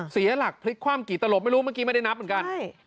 เสียหลักพลิกคว่ำกี่ตลบไม่รู้เมื่อกี้ไม่ได้นับเหมือนกัน